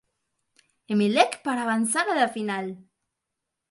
Emelec para avanzar a la final.